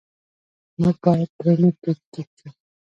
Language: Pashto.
موږ باید پرې نه ږدو چې ټیټ شو.